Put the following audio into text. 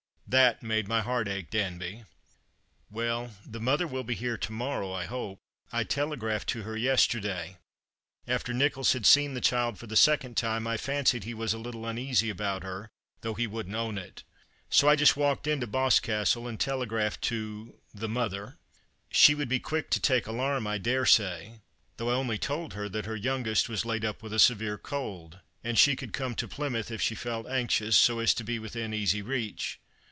That made my heart ache, Danby." " Well, the mother will be here to morrow, I hope. I telegraphed to her yesterday. After Nicholls had seen 222 The Christmas Hirelings. the child for the second time, I fancied he was a little uneasy about her, though he wouldn't own it. So I just walked into Boscastle and telegraphed to — the mother. She would be quick to take alarm, I dare say — though I only told her that her youngest was laid up with a severe cold, and she could come to Plymouth if she felt anxious, so as to be within easy reach.